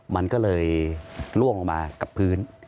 มันก็เลยล่วงลงมากับพื้น